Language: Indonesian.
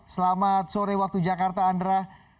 selamat sore waktu jakarta andra